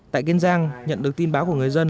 tại kiên giang nhận được tin báo của người dân